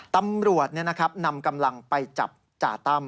ตำรวจนี่นะครับนำกำลังไปจับจ่าตั้ม